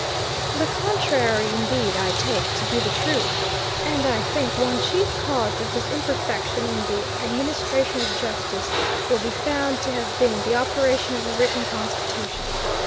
The contrary, indeed, I take to be the truth, and I think one chief cause of this imperfection in the administration of justice will be found to have been the operation of the written Constitution.